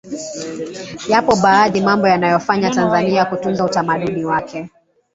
Yapo baadhi mambo yanayoifanya Tanzania kutunza utamaduni wake